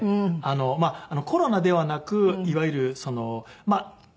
まあコロナではなくいわゆる衰弱ですね。